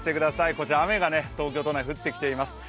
こちら雨が東京都内、降ってきています。